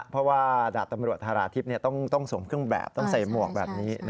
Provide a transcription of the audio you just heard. เพราะว่าดาบตำรวจธาราทิพย์ต้องสวมเครื่องแบบต้องใส่หมวกแบบนี้